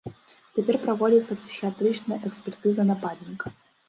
Цяпер праводзіцца псіхіятрычная экспертыза нападніка.